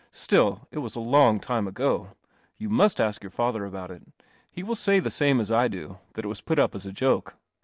Still, it was along time ago. You must ask your father about it. He will say the same as I do, that it was put up as a joke."